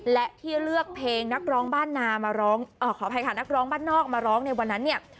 และที่เลือกเพลงนักร้องบ้านนอกมาร้องในวันนั้นเนี่ย